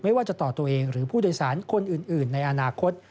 ว่าจะต่อตัวเองหรือผู้โดยสารคนอื่นในอนาคต